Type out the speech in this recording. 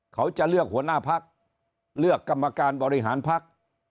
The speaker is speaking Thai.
เขาจะเลือกหัวหน้าพักเลือกกรรมการบริหารพัก